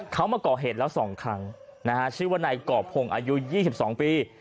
เขามาเกาะเหตุแล้วสองครั้งชื่อว่าในเกาะพงอายุ๒๒ปี